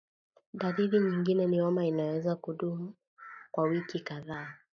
Dalili nyingine ni homa inayoweza kudumu kwa wiki kadhaa